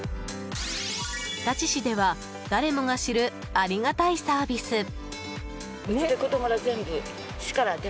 日立市では誰もが知るありがたいサービス。